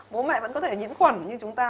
bố mẹ vẫn có thể nhiễm khuẩn nhưng chúng ta